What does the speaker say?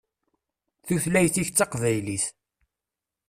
Tutlayt-ik d taqbaylit.